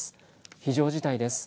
非常事態です。